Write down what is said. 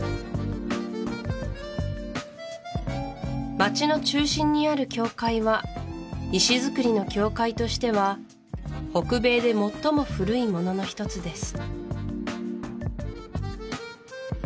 街の中心にある教会は石造りの教会としては北米で最も古いものの一つです